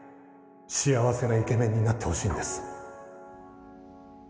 幸せなイケメンになってほしいんです。